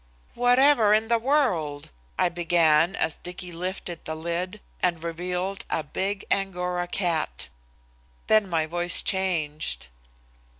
"Whatever in the world?" I began as Dicky lifted the lid and revealed a big Angora cat. Then my voice changed.